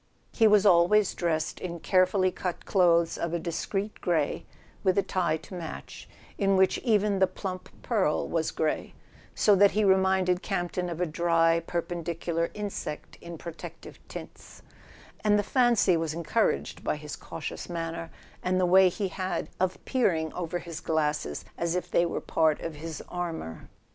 He was always dressed in carefully cut clothes of a discreet grey, with a tie to match, in which even the plump pearl was grey, so that he reminded Campton of a dry perpendicular insect in protective tints; and the fancy was encouraged by his cautious manner, and the way he had of peering over his glasses as if they were part of his armour.